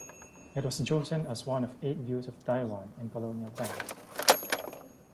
It was chosen as one of Eight Views of Taiwan in colonial times.